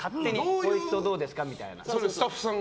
こいつとどうですかみたいな。